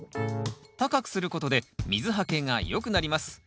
高くすることで水はけが良くなります。